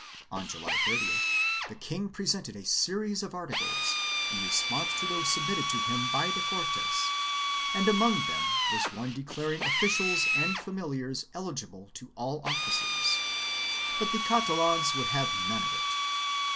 On June 30th the king presented a series of articles, in response to those submitted to him by the Cortes, and among them was one declaring officials and familiars eligible to all offices, but the Catalans would have none of it.